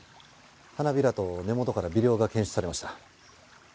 花びらと根元から微量が検出されました。